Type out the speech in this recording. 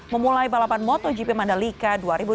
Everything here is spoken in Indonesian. memulai balapan motogp mandalika